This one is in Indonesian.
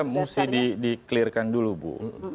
saya kira mesti di clearkan dulu bu